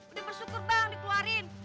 udah bersyukur bang dikeluarin